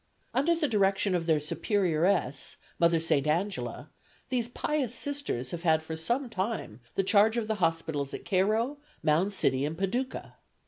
Under the direction of their Superioress, Mother St. Angela, these pious Sisters have had for some time the charge of the hospitals at Cairo, Mound City and Paducah.